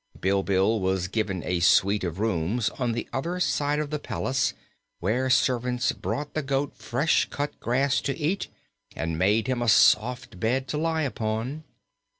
Bilbil was given a suite of rooms on the other side of the palace, where servants brought the goat fresh cut grass to eat and made him a soft bed to lie upon.